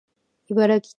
茨城県取手市